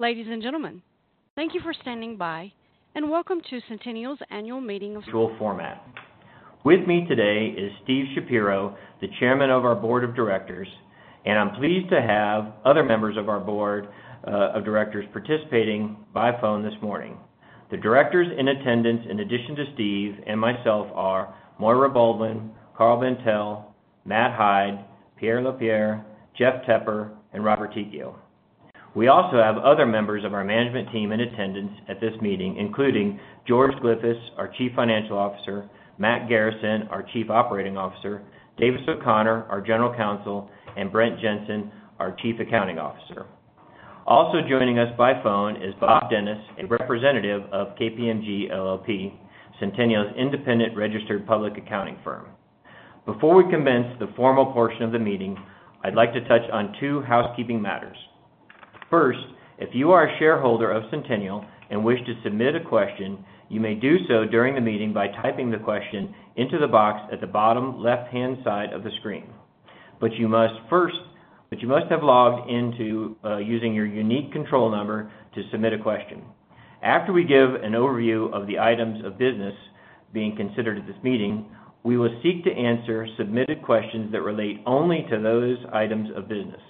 Ladies and gentlemen, thank you for standing by and welcome to Centennial's annual meeting. Format. With me today is Steve Shapiro, the Chairman of our Board of Directors, and I'm pleased to have other members of our Board of Directors participating by phone this morning. The Directors in attendance in addition to Steve and myself are Maire Baldwin, Karl Bandtel, Matt Hyde, Pierre Lapeyre, Jeff Tepper, and Robert Tichio. We also have other members of our management team in attendance at this meeting, including George Glyphis, our Chief Financial Officer, Matt Garrison, our Chief Operating Officer, Davis O'Connor, our General Counsel, and Brent Jensen, our Chief Accounting Officer. Also joining us by phone is Bob Dennis, a representative of KPMG LLP, Centennial's independent registered public accounting firm. Before we commence the formal portion of the meeting, I'd like to touch on two housekeeping matters. First, if you are a shareholder of Centennial and wish to submit a question, you may do so during the meeting by typing the question into the box at the bottom left-hand side of the screen. You must have logged in using your unique control number to submit a question. After we give an overview of the items of business being considered at this meeting, we will seek to answer submitted questions that relate only to those items of business.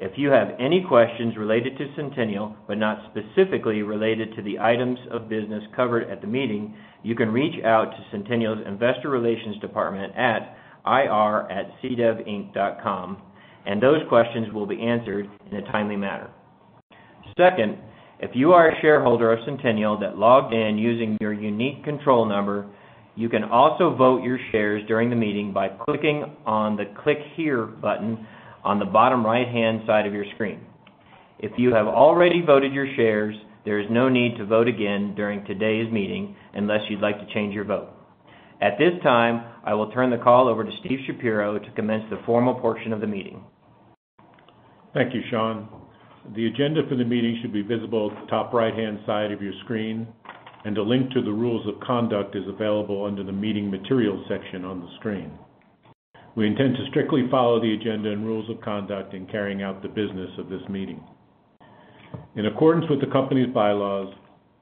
If you have any questions related to Centennial, but not specifically related to the items of business covered at the meeting, you can reach out to Centennial's investor relations department at ir@cdevinc.com and those questions will be answered in a timely manner. Second, if you are a shareholder of Centennial that logged in using your unique control number, you can also vote your shares during the meeting by clicking on the Click Here button on the bottom right-hand side of your screen. If you have already voted your shares, there is no need to vote again during today's meeting unless you'd like to change your vote. At this time, I will turn the call over to Steve Shapiro to commence the formal portion of the meeting. Thank you, Sean. The agenda for the meeting should be visible at the top right-hand side of your screen, and a link to the rules of conduct is available under the Meeting Materials section on the screen. We intend to strictly follow the agenda and rules of conduct in carrying out the business of this meeting. In accordance with the company's bylaws,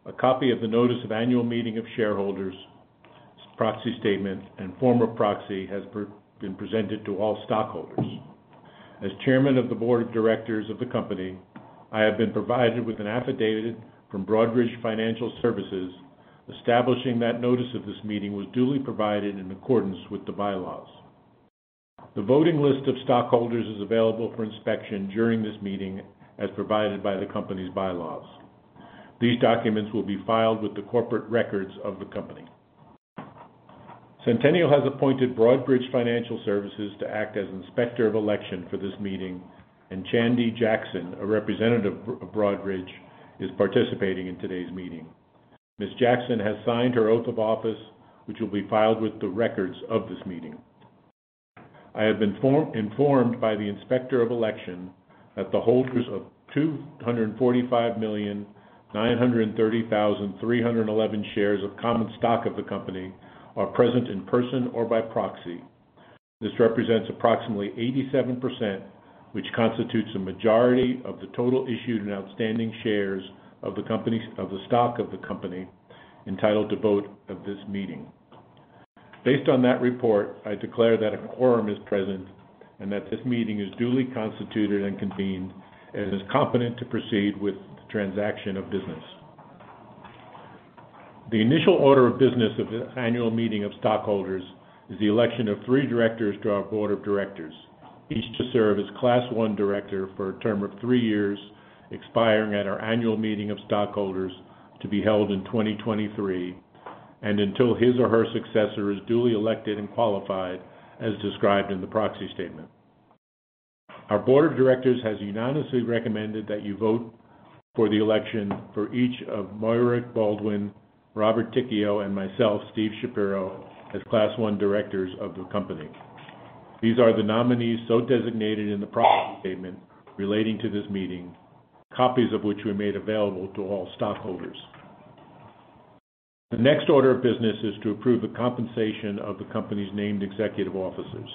a copy of the notice of annual meeting of shareholders, proxy statement, and form of proxy has been presented to all stockholders. As Chairman of the Board of Directors of the company, I have been provided with an affidavit from Broadridge Financial Solutions establishing that notice of this meeting was duly provided in accordance with the bylaws. The voting list of stockholders is available for inspection during this meeting as provided by the company's bylaws. These documents will be filed with the corporate records of the company. Centennial has appointed Broadridge Financial Solutions to act as inspector of election for this meeting, and Chandi Jackson, a representative of Broadridge, is participating in today's meeting. Ms. Jackson has signed her oath of office, which will be filed with the records of this meeting. I have been informed by the inspector of election that the holders of 245,930,311 shares of common stock of the company are present in person or by proxy. This represents approximately 87%, which constitutes a majority of the total issued and outstanding shares of the stock of the company entitled to vote at this meeting. Based on that report, I declare that a quorum is present and that this meeting is duly constituted and convened, and is competent to proceed with the transaction of business. The initial order of business of this annual meeting of stockholders is the election of three directors to our Board of Directors. Each to serve as Class I Director for a term of three years, expiring at our annual meeting of stockholders to be held in 2023, and until his or her successor is duly elected and qualified as described in the proxy statement. Our Board of Directors has unanimously recommended that you vote for the election for each of Maire Baldwin, Robert Tichio, and myself, Steve Shapiro, as Class I Directors of the company. These are the nominees so designated in the proxy statement relating to this meeting, copies of which were made available to all stockholders. The next order of business is to approve the compensation of the company's named executive officers.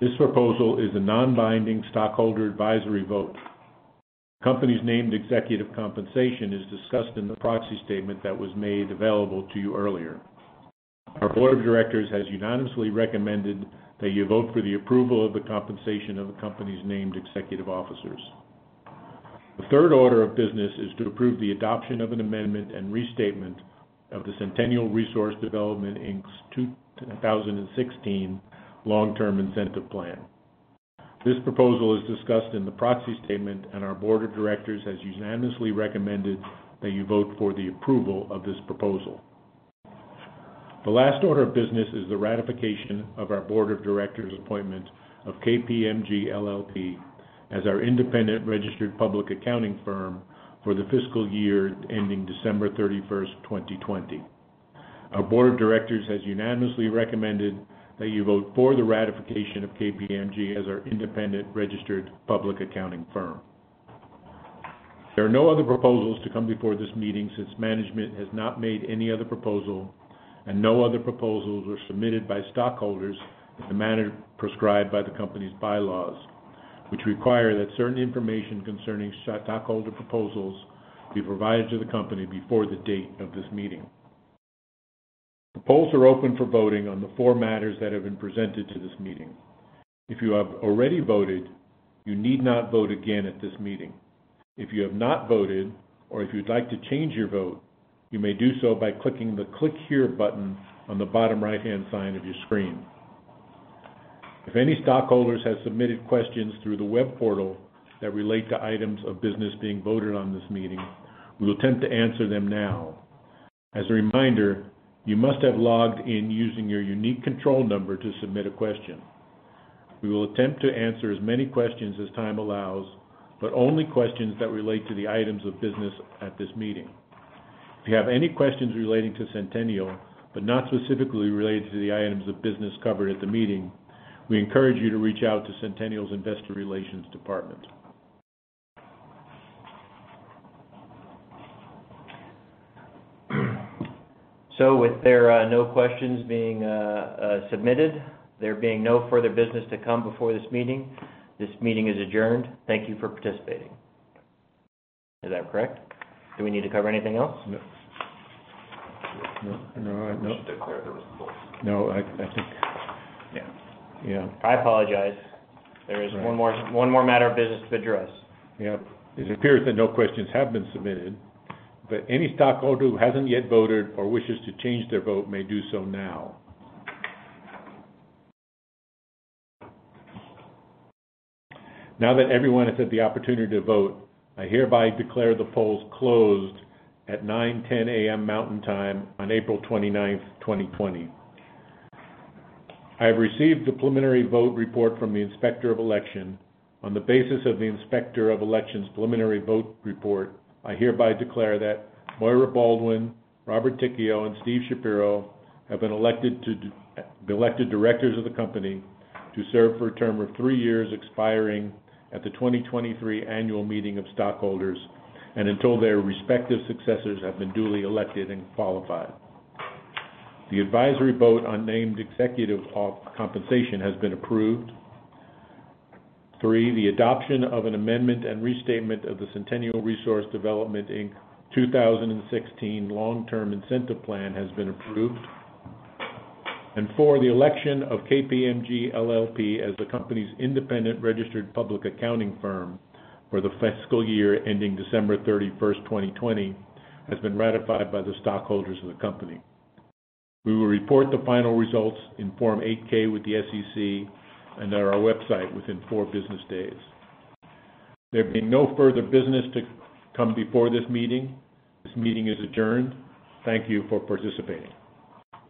This proposal is a non-binding stockholder advisory vote. Company's named executive compensation is discussed in the proxy statement that was made available to you earlier. Our Board of Directors has unanimously recommended that you vote for the approval of the compensation of the company's named executive officers. The third order of business is to approve the adoption of an amendment and restatement of the Centennial Resource Development, Inc's 2016 Long Term Incentive Plan. This proposal is discussed in the proxy statement, and our Board of Directors has unanimously recommended that you vote for the approval of this proposal. The last order of business is the ratification of our Board of Directors' appointment of KPMG LLP as our independent registered public accounting firm for the fiscal year ending December 31st, 2020. Our Board of Directors has unanimously recommended that you vote for the ratification of KPMG as our independent registered public accounting firm. There are no other proposals to come before this meeting since management has not made any other proposal. No other proposals were submitted by stockholders in the manner prescribed by the company's bylaws, which require that certain information concerning stockholder proposals be provided to the company before the date of this meeting. Polls are open for voting on the four matters that have been presented to this meeting. If you have already voted, you need not vote again at this meeting. If you have not voted, or if you'd like to change your vote, you may do so by clicking the Click Here button on the bottom right-hand side of your screen. If any stockholders have submitted questions through the web portal that relate to items of business being voted on in this meeting, we will attempt to answer them now. As a reminder, you must have logged in using your unique control number to submit a question. We will attempt to answer as many questions as time allows, but only questions that relate to the items of business at this meeting. If you have any questions relating to Centennial, but not specifically related to the items of business covered at the meeting, we encourage you to reach out to Centennial's investor relations department. With there are no questions being submitted, there being no further business to come before this meeting, this meeting is adjourned. Thank you for participating. Is that correct? Do we need to cover anything else? No. No. We should declare the results. No, I think Yeah. I apologize. There is one more matter of business to address. Yep. It appears that no questions have been submitted, but any stockholder who hasn't yet voted or wishes to change their vote may do so now. Now that everyone has had the opportunity to vote, I hereby declare the polls closed at 9:10 A.M. Mountain Time on April 29th, 2020. I have received the preliminary vote report from the inspector of election. On the basis of the inspector of election's preliminary vote report, I hereby declare that Maire Baldwin, Robert Tichio, and Steve Shapiro have been elected directors of the company to serve for a term of three years, expiring at the 2023 annual meeting of stockholders, and until their respective successors have been duly elected and qualified. The advisory vote on named executive compensation has been approved. Three, the adoption of an amendment and restatement of the Centennial Resource Development Inc. 2016 Long Term Incentive Plan has been approved. Four, the election of KPMG LLP as the company's independent registered public accounting firm for the fiscal year ending December 31st, 2020, has been ratified by the stockholders of the company. We will report the final results in Form 8-K with the SEC and on our website within four business days. There being no further business to come before this meeting, this meeting is adjourned. Thank you for participating.